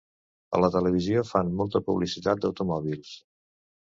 A la televisió fan molta publicitat d'automòbils.